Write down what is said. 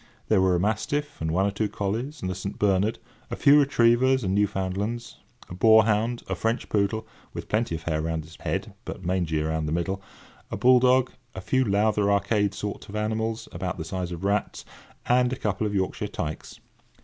There were a mastiff, and one or two collies, and a St. Bernard, a few retrievers and Newfoundlands, a boar hound, a French poodle, with plenty of hair round its head, but mangy about the middle; a bull dog, a few Lowther Arcade sort of animals, about the size of rats, and a couple of Yorkshire tykes.